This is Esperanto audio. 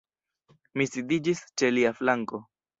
Mi sidiĝis ĉe lia flanko.